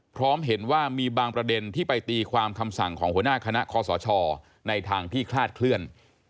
พร้อมเห็นว่ามีบางประเด็นที่ไปตีความคำสั่งของหัวหน้าคณะคอสชในทางที่คลาดเคลื่อน